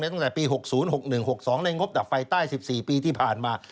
ตั้งแต่ปี๖๐๖๑๖๒ในงบดับไฟใต้๑๔ปีที่ผ่านมา